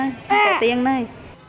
không có tiền này